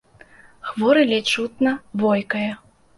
Хворы ледзь чутна войкае.